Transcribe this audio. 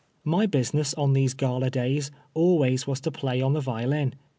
My business on these gala days always was to play on the violin.